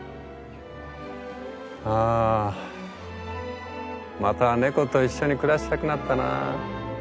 あまた猫と一緒に暮らしたくなったな。